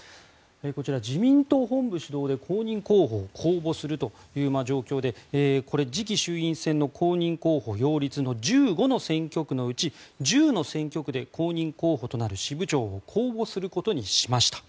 こちら、自民党本部主導で公認候補を公募するという状況でこれ次期衆院選の公認候補擁立の１５の選挙区のうち１０の選挙区で公認候補となる支部長を公募することにしました。